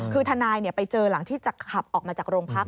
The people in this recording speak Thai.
คือทนายไปเจอหลังที่จะขับออกมาจากโรงพัก